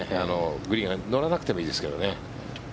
グリーンに乗らなくてもいいですが。